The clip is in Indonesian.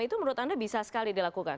itu menurut anda bisa sekali dilakukan